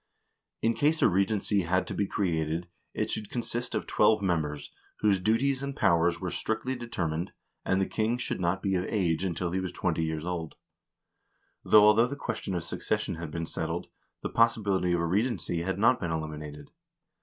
In case a regency had to be created, it should consist of twelve members, whose duties and powers were strictly determined, and the king should not be of age until he was twenty years old. But although the question of succession had been settled, the possibility of a regency had not been eliminated.